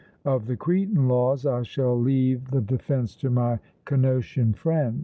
Of the Cretan laws, I shall leave the defence to my Cnosian friend.